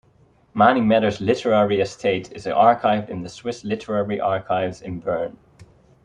Mani Matter's literary estate is archived in the Swiss Literary Archives in Bern.